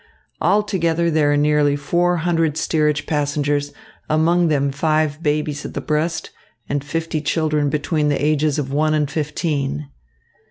Altogether there are nearly four hundred steerage passengers, among them five babies at the breast and fifty children between the ages of one and fifteen."